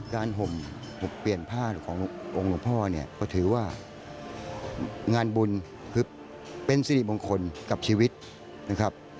การห่มผูกเปลี่ยนผ้าหรือขององค์รุ้นพ่อนี่พอถือว่างานบุญเป็นสิริมงคลกับชีวิตนะครับ